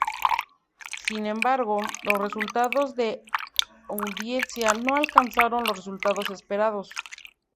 Sin embargo, los resultados de audiencia no alcanzaron los resultados esperados.